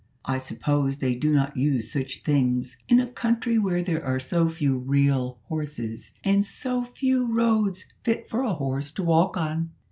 I suppose they do not use such things in a country where there are so few real horses, and so few roads fit for a horse to walk on."